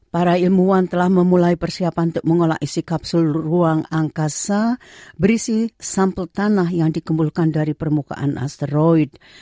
para ilmuwan telah memulai persiapan untuk mengolah isi kapsul ruang angkasa berisi sampel tanah yang dikumpulkan dari permukaan asteroid